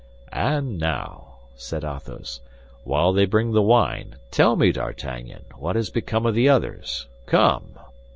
"And now," said Athos, "while they bring the wine, tell me, D'Artagnan, what has become of the others, come!"